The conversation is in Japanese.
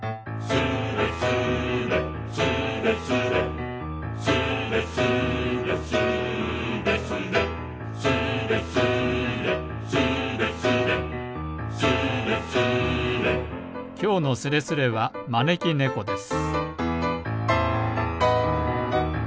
「スレスレスレスレ」「スレスレスーレスレ」「スレスレスレスレ」「スレスレ」「きょうのスレスレ」はまねきねこです